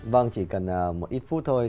vâng chỉ cần một ít phút thôi